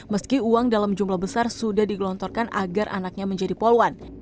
meski uang dalam jumlah besar sudah digelontorkan agar anaknya menjadi poluan